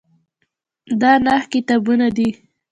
دا نهه کتابونه دي.